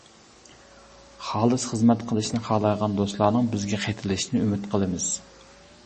خالىس خىزمەت قىلىشنى خالايدىغان دوستلارنىڭ بىزگە قېتىلىشىنى ئۈمىد قىلىمىز!